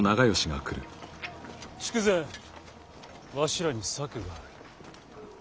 筑前わしらに策がある。